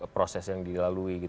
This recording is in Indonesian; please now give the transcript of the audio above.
proses yang dilalui